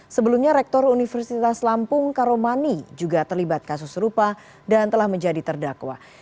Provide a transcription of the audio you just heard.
sebelumnya rektor universitas lampung karomani juga terlibat kasus serupa dan telah menjadi terdakwa